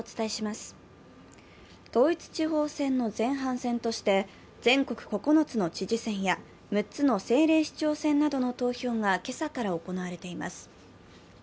統一地方選の前半戦として、全国９つの知事選や６つの政令市長選などの投票が今朝から行われています。